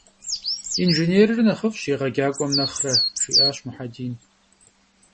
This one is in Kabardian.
Yinjjênêrır nexhıf'ş, yêğecak'uem nexhre ,- jji'aş Muhedin.